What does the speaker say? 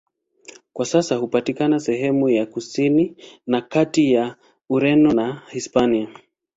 Kwa sasa hupatikana sehemu ya kusini na kati ya Ureno na Hispania.